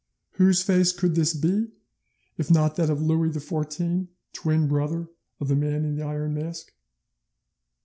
Whose face could this be, if not that of Louis XVI, twin brother of the Man in the Iron Mask?